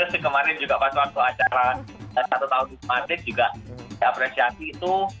terus kemarin juga pas waktu acara satu tahun di madrik juga diapresiasi itu